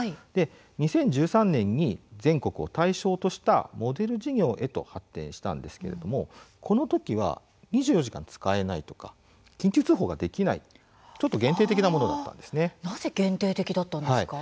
２０１３年に全国を対象としたモデル事業へと発展したんですけれどもこのときは２４時間使えないとか緊急通報ができないなぜですか？